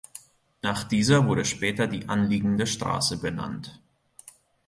Nach dieser wurde später die anliegende Straße benannt.